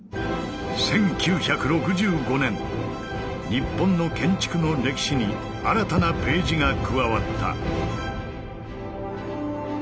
日本の建築の歴史に新たなページが加わった。